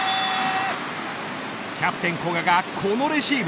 キャプテン古賀がこのレシーブ。